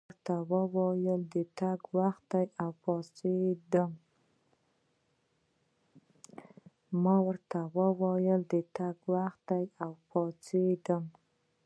ما ورته وویل: د تګ وخت دی، او پاڅېدم.